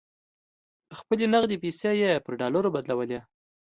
خپلې نغدې پیسې یې پر ډالرو بدلولې.